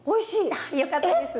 あっよかったです。